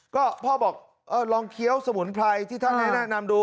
ก็พ่อบอกลองเคี้ยวสมุนไพรที่ท่านให้แนะนำดู